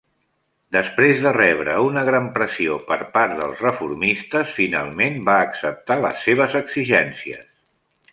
Després de rebre una gran pressió per part dels reformistes, finalment va acceptar les seves exigències.